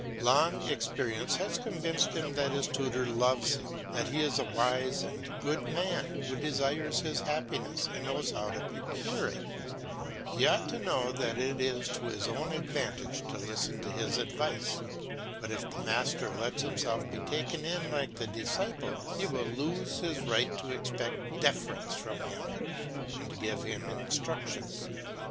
Long experience has convinced him that his tutor loves him, that he is a wise and good man who desires his happiness and knows how to procure it. He ought to know that it is to his own advantage to listen to his advice. But if the master lets himself be taken in like the disciple, he will lose his right to expect deference from him, and to give him instruction.